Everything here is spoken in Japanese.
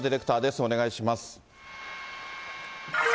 お願いします。